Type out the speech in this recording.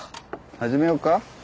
始めようか。